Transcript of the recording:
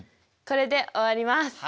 これで終わります。